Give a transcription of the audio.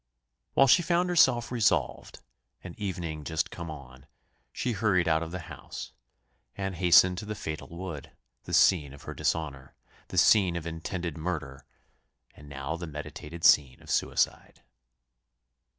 While she found herself resolved, and evening just come on, she hurried out of the house, and hastened to the fatal wood; the scene of her dishonour the scene of intended murder and now the meditated scene of suicide.